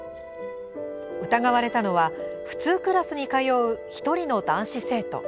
疑われたのは普通クラスに通う１人の男子生徒。